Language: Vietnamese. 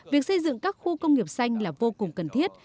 việc xây dựng các khu công nghiệp xanh là vô cùng cần thiết